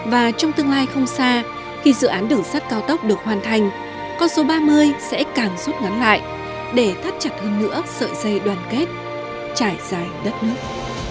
và trong tương lai không xa khi dự án đường sắt cao tốc được hoàn thành con số ba mươi sẽ càng rút ngắn lại để thắt chặt hơn nữa sợi dây đoàn kết trải dài đất nước